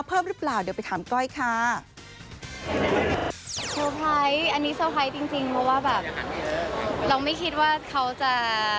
เพราะว่าแบบเราไม่คิดว่าเขาจะ